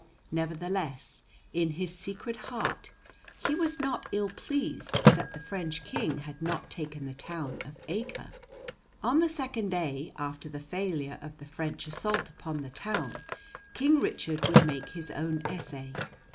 Nevertheless, in his secret heart, he was not ill pleased that the French King had not taken the town of Acre. On the second day after the failure of the French assault upon the town, King Richard would make his own essay.